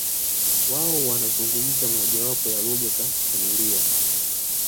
Wao wanazungumza mojawapo ya lugha za familia